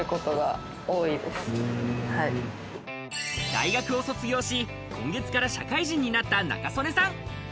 大学を卒業し、今月から社会人になった中曽根さん。